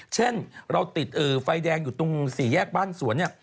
เช่นเราติดไฟแดงอยู่ตรงสี่แยกบ้านสวนเนี่ย